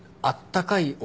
あったかい